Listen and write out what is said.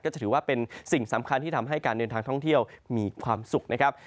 จะถือว่าเป็นสิ่งสำคัญที่ทำให้การเดินทางท่องเที่ยวมีความสุขนะครับ